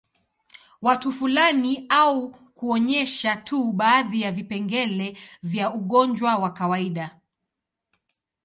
Watu fulani au kuonyesha tu baadhi ya vipengele vya ugonjwa wa kawaida